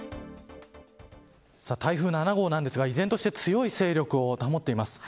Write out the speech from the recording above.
さあ台風７号なんですが依然として強い勢力を保っています。